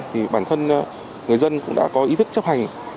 thì bản thân người dân cũng đã có ý thức chấp hành